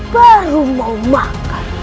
baru mau makan